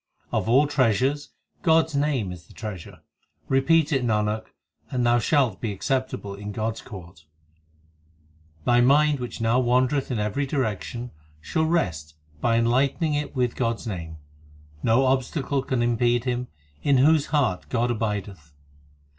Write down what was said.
Of all treasures God s name is the treasure ; Repeat it, Nanak, and thou shalt be acceptable in God s court. HYMNS OF GURU ARJAN 255 Thy mind which now wandereth in every direction, shall rest By enlightening it with God s name. No obstacle can impede him In whose heart God abideth.